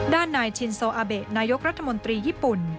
ด้านนายชินโซอาเบะนายกรัฐมนตรีญี่ปุ่น